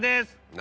何？